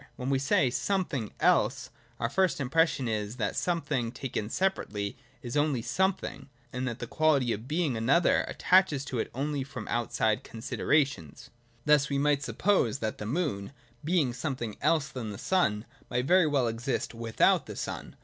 When we say ' something else ' our first impression is that something taken separately is only something, and that the quality of being another attaches to it only from outside considerations. Thus we suppose that the moon, being something else than the sun, might very well exist without the sun.